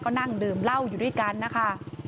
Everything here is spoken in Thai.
ก็นั่งดื่มเหล้าอยู่ด้วยกันนะคะ